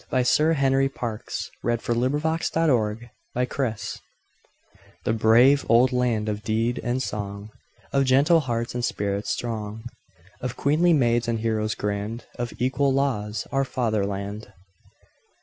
By Sir Henry Parkes 4 . Fatherland THE BRAVE old land of deed and song, Of gentle hearts and spirits strong, Of queenly maids and heroes grand, Of equal laws,—our Fatherland!